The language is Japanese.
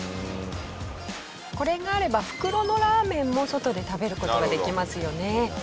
これがあれば袋のラーメンも外で食べる事ができますよね。